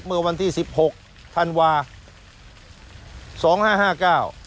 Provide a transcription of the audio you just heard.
เมื่อวันที่๑๖ธันวาค